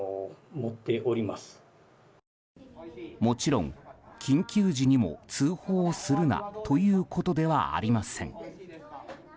もちろん緊急時にも通報するなということではありません。